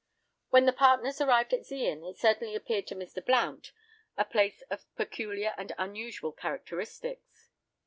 When the partners arrived at Zeehan, it certainly appeared to Mr. Blount a place of peculiar and unusual characteristics.